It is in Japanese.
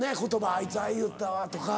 あいつああ言ったわとか。